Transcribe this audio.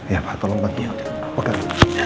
ya pak tolongkan